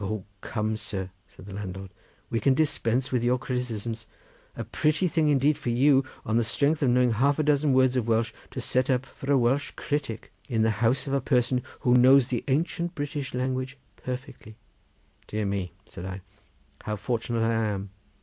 "O come, sir!" said the landlord, "we can dispense with your criticisms. A pretty thing indeed for you, on the strength of knowing half a dozen words of Welsh, to set up for a Welsh critic in the house of a person who knows the ancient British language perfectly." "Dear me!" said I, "how fortunate I am!